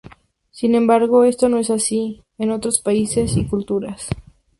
Sin embargo, esto no es así en otros países y culturas.